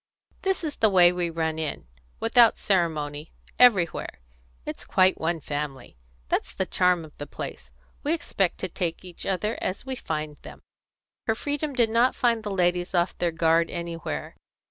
"This is the way we run in, without ceremony, everywhere. It's quite one family. That's the charm of the place. We expect to take each other as we find them." Her freedom did not find the ladies off their guard anywhere.